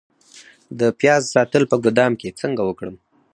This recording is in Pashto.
د پیاز ساتل په ګدام کې څنګه وکړم؟